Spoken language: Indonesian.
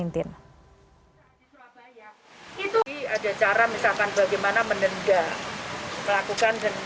di surabaya itu ada cara bagaimana menendak melakukan denda